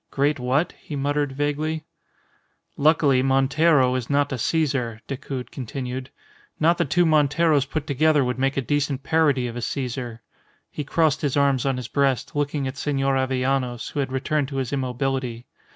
"Great what?" he muttered, vaguely. "Luckily, Montero is not a Caesar," Decoud continued. "Not the two Monteros put together would make a decent parody of a Caesar." He crossed his arms on his breast, looking at Senor Avellanos, who had returned to his immobility.